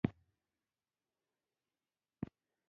کلا سیف الله سیمه په پښتني نوابانو ښایسته ده